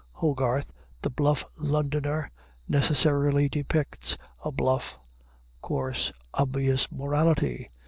Hogarth, the bluff Londoner, necessarily depicts a bluff, coarse, obvious morality.